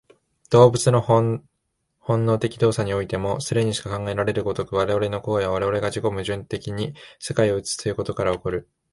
動物の本能的動作においても、既にしか考えられる如く、我々の行為は我々が自己矛盾的に世界を映すということから起こる。